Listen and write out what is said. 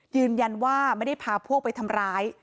ยืนยันว่าไม่ได้พาพวกไปทำร้าย